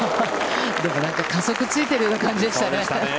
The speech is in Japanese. でも、なんか、加速ついているような感じでしたね。